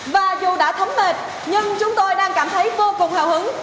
và dù đã thấm mệt nhưng chúng tôi đang cảm thấy vô cùng hào hứng